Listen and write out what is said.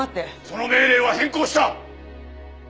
その命令は変更した！